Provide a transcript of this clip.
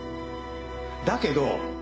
だけど！